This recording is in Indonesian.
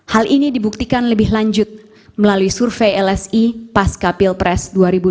hal ini dibuktikan lebih lanjut melalui survei lsi pasca pilpres dua ribu dua puluh